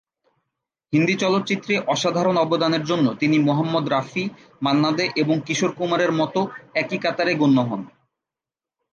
হিন্দি চলচ্চিত্রে অসাধারণ অবদানের জন্য তিনি মোহাম্মদ রফি, মান্না দে এবং কিশোর কুমারের মতো একই কাতারে গণ্য হন।